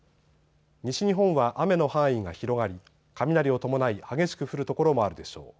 西日本は雨の範囲が広がり雷を伴い激しく降る所もあるでしょう。